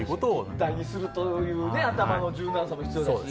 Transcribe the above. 立体にするという頭の柔軟さも必要だし。